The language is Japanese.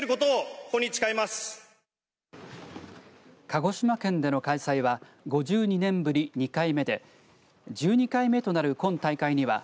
鹿児島県での開催は５２年ぶり２回目で１２回目となる今大会には